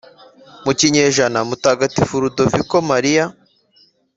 mu kinyejana mutagatifu ludoviko mariya